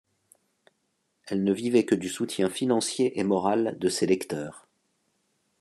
Elle ne vivait que du soutien financier et moral de ses lecteurs.